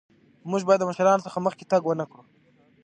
مونږ باید د مشرانو څخه مخکې تګ ونکړو.